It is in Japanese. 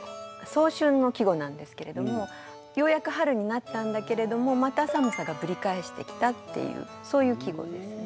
早春の季語なんですけれどもようやく春になったんだけれどもまた寒さがぶり返してきたっていうそういう季語ですね。